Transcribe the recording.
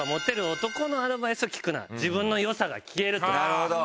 なるほど。